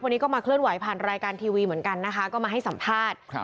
วันนี้ก็มาเคลื่อนไหวผ่านรายการทีวีเหมือนกันนะคะก็มาให้สัมภาษณ์